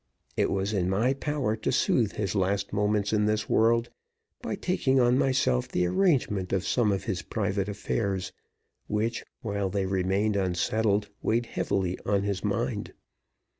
It was in my power to soothe his last moments in this world by taking on myself the arrangement of some of his private affairs, which, while they remained unsettled, weighed heavily on his mind.